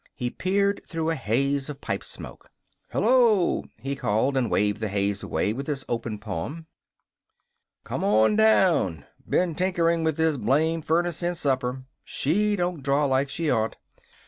He peered through a haze of pipe smoke. "Hello!" he called, and waved the haze away with his open palm. "Come on down! Been tinkering with this blamed furnace since supper. She don't draw like she ought.